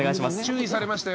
注意されましたよ！